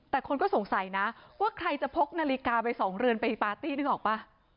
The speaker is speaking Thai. แต่คนก็สงสัยนะว่าใครจะพกนาฬิกาไป๒เรือนไปปาร์ตี้นึกออกป่ะ